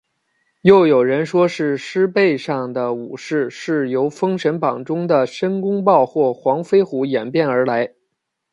又有人说是狮背上的武士是由封神榜中的申公豹或黄飞虎演变而来。